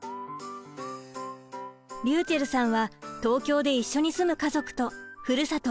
りゅうちぇるさんは東京で一緒に住む家族とふるさと